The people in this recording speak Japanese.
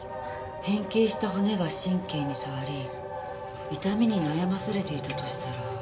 変形した骨が神経にさわり痛みに悩まされていたとしたら。